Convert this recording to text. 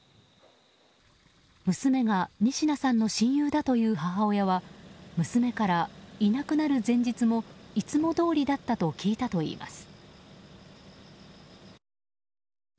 娘が仁科さんの親友だという母親は娘からいなくなる前日もいつもどおりだったと聞いたといいます。